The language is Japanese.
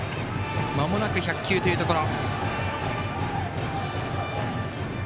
まもなく１００球というところ。